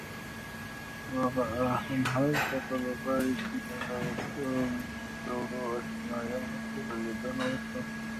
هماغلته په لوبغالي کې مې له څو زړو آشنایانو سره لیدنه وشوه.